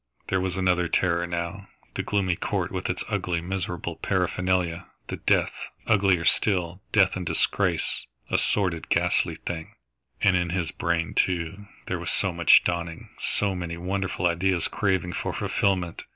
There was another terror now the gloomy court with its ugly, miserable paraphernalia the death, uglier still, death in disgrace, a sordid, ghastly thing! And in his brain, too, there was so much dawning, so many wonderful ideas craving for fulfilment.